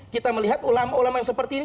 kita melihat ulama ulama yang seperti ini